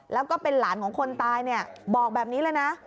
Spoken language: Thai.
แล้วก็เป็นหลานของคนตายเนี่ยบอกแบบนี้เลยนะ